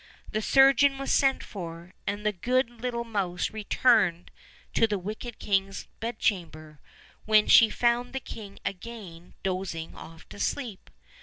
The surgeon was sent for, and the good little mouse returned to the wicked king's bedchamber, when she found the king again dozing off to sleep.